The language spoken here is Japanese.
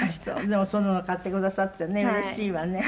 でもそういうのも買ってくださってねうれしいわね。